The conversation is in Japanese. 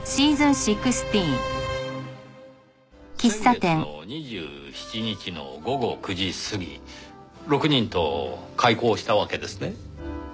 先月の２７日の午後９時過ぎ６人と邂逅したわけですね。